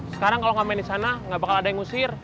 sekarang kalau ngamen di sana nggak bakal ada yang ngusir